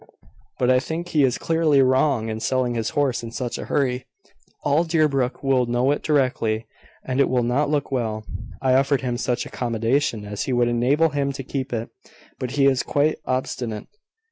But I think he is clearly wrong in selling his horse in such a hurry. All Deerbrook will know it directly, and it will not look well. I offered him such accommodation as would enable him to keep it; but he is quite obstinate.